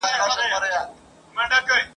باسواده مور د کورنۍ لپاره د پوهي سرچینه ده.